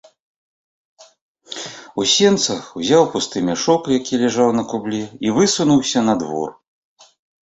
У сенцах узяў пусты мяшок, які ляжаў на кубле, і высунуўся на двор.